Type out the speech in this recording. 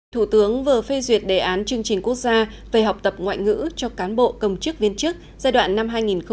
thủ tướng vừa phê duyệt đề án chương trình quốc gia về học tập ngoại ngữ cho cán bộ công chức viên chức giai đoạn năm hai nghìn hai mươi một hai nghìn hai mươi